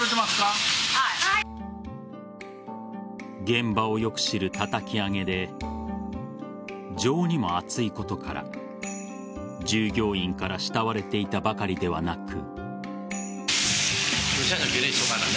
現場をよく知るたたき上げで情にも厚いことから従業員から慕われていたばかりではなく。